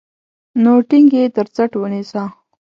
نو ټينګ يې تر څټ ونيسه.